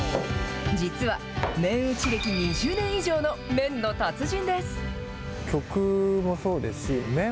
実は麺打ち歴２０年以上の麺の達人。